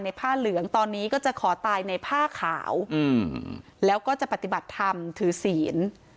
ผ้าเหลืองตอนนี้ก็จะขอตายในผ้าขาวแล้วก็จะปฏิบัติธรรมถือศีล